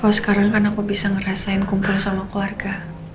kalau sekarang kan aku bisa ngerasain kumpul sama keluarga